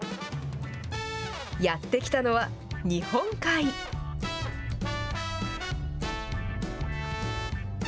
やって来たのは日本海。